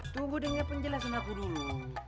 tunggu dengar penjelasan aku dulu